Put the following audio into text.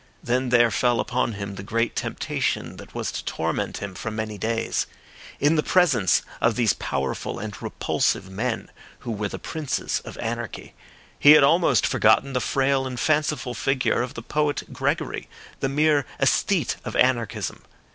Then there fell upon him the great temptation that was to torment him for many days. In the presence of these powerful and repulsive men, who were the princes of anarchy, he had almost forgotten the frail and fanciful figure of the poet Gregory, the mere aesthete of anarchism.